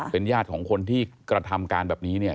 เป็นญาติของคนที่กระทำการแบบนี้เนี่ย